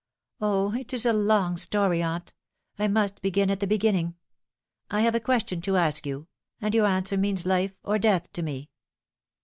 " O, it is a long stry, aunt ! I must begin at the beginning. I have a question to ask you, and your answer means life or death to me."